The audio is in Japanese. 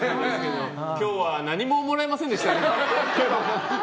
今日は何ももらえませんでしたね。